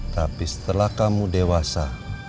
tapi setelah kamu dewasa